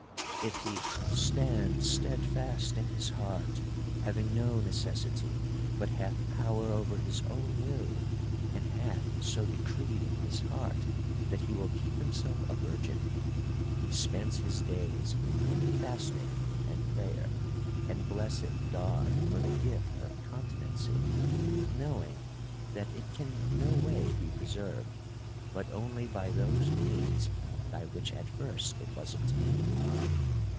If he stand steadfast in his heart, having no necessity, but hath power over his own will, and hath so decreed in his heart, that he will keep himself a virgin, he spends his days in fasting and prayer, and blesseth God for the gift of continency ; knowing that it can no way be pre served, but only by those means by which at first it was obtained.